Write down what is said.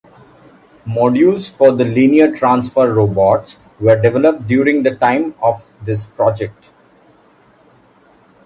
Modules for the linear transfer robots were developed during the time of this project.